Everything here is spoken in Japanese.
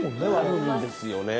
なるんですよね。